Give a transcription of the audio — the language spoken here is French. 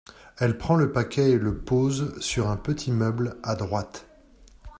Elle prend le paquet et le pose sur un petit meuble à droite.